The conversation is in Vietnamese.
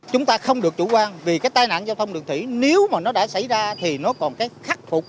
chúng ta không được chủ quan vì cái tai nạn giao thông đường thủy nếu mà nó đã xảy ra thì nó còn cái khắc phục